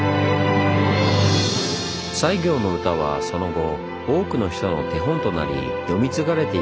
西行の歌はその後多くの人の手本となりよみ継がれていきます。